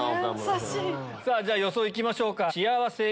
じゃ予想行きましょうか。